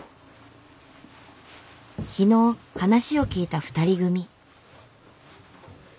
昨日話を聞いた２人組。